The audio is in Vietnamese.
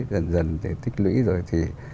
kỹ rồi thì